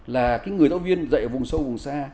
là cái người giáo viên dạy ở vùng sâu vùng xa